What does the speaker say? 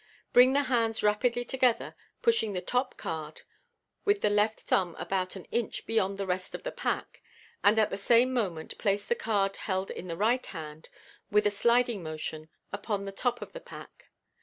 Bring the hands rapidly together, pushing the top card with the left thumb about an inch beyond the rest of the pack, and at the same moment place the card held in the right hand with a sliding motion upon the top of the pack.